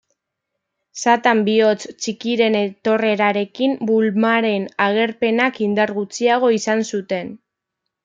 Satan Bihotz Txikiren etorrerarekin Bulmaren agerpenak indar gutxiago izan zuten.